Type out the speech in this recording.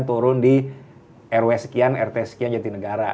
turun di rw sekian rt sekian jatinegara